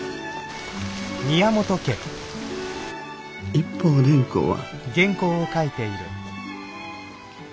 一方蓮子は。